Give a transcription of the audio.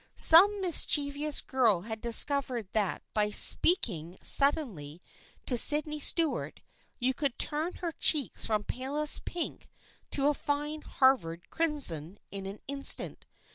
Some mischievous girl had discovered that by speaking suddenly to Sydney Stuart you could turn her cheeks from palest pink to a fine Harvard crimson in an instant.